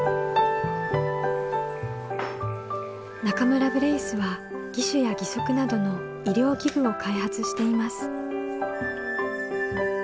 中村ブレイスは義手や義足などの医療器具を開発しています。